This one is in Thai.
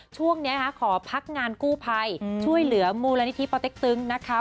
ช่วงนี้ขอพักงานกู้ภัยช่วยเหลือมูลนิธิปอเต็กตึงนะคะ